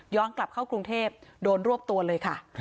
กลับเข้ากรุงเทพโดนรวบตัวเลยค่ะ